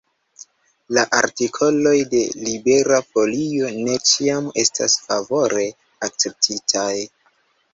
La artikoloj de Libera Folio ne ĉiam estas favore akceptitaj.